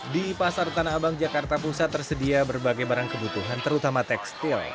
di pasar tanah abang jakarta pusat tersedia berbagai barang kebutuhan terutama tekstil